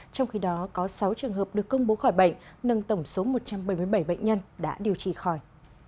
trong khi đó có sáu trường hợp được công bố khỏi bệnh nâng tổng số một trăm bảy mươi bảy bệnh nhân đã điều trị khỏi